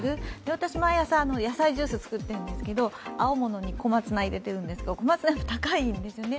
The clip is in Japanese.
私、毎朝野菜ジュースを作っているんですけれども青物に小松菜入れてるんですけど小松菜、高いんですよね。